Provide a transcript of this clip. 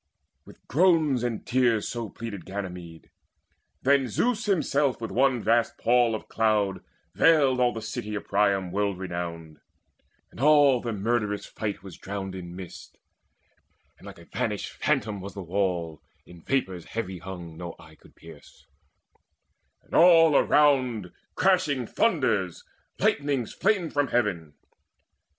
With groans and tears so pleaded Ganymede. Then Zeus himself with one vast pall of cloud Veiled all the city of Priam world renowned; And all the murderous fight was drowned in mist, And like a vanished phantom was the wall In vapours heavy hung no eye could pierce; And all around crashed thunders, lightnings flamed From heaven.